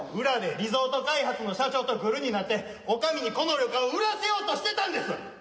裏でリゾート開発の社長とグルになって女将にこの旅館を売らせようとしてたんです！